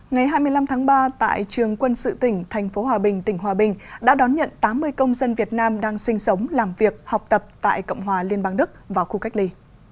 ngày hai mươi năm tháng ba tại trường quân sự tỉnh thành phố hòa bình tỉnh hòa bình đã đón nhận tám mươi công dân việt nam đang sinh sống làm việc học tập tại cộng hòa liên bang đức vào khu cách ly